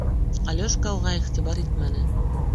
Алёшка уға иғтибар итмәне.